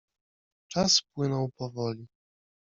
Czas płynął powoli.